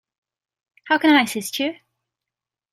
How can I assist you?